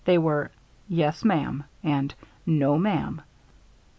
They were, "Yes, ma'am" and "No, ma'am."